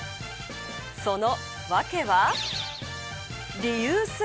その訳は。